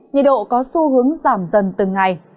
nhiệt độ có xu hướng giảm dần từng ngày